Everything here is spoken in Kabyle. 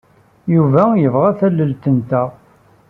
Yuba yebɣa tallalt-nteɣ.